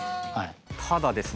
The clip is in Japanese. ただですね